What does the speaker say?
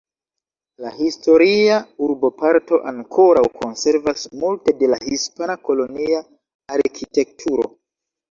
La historia urboparto ankoraŭ konservas multe de la hispana kolonia arkitekturo.